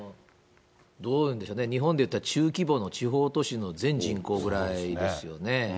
どうなんでしょうね、日本でいうと中規模の地方都市の全人口ぐらいですよね。